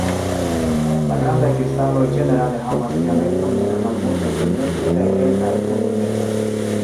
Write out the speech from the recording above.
La grandaj kristaloj ĝenerale havas diametron inter malmultaj milimetroj kaj kelkaj centimetroj.